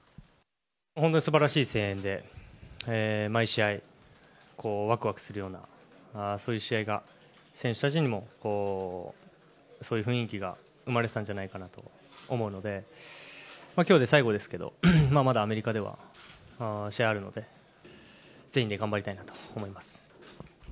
本当に素晴らしい声援で毎試合わくわくするようなそういう試合が選手たちにもそういう雰囲気が生まれたんじゃないかなと思うので今日で最後ですけどまだまだアメリカでは試合あるので全員で頑張りたいなと思います。